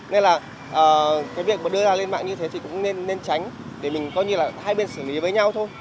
nên là cái việc mà đưa ra lên mạng như thế thì cũng nên tránh để mình coi như là hai bên xử lý với nhau thôi